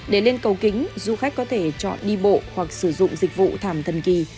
để lên cầu kính du khách có thể chọn đi bộ hoặc sử dụng dịch vụ thảm thần kỳ